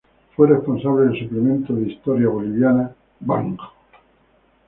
Fue responsable del suplemento de historieta boliviana "Bang!